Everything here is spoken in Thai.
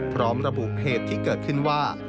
พร้อมระบุเหตุที่เกิดขึ้นว่า